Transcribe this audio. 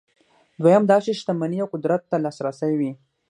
دویم دا چې شتمنۍ او قدرت ته لاسرسی وي.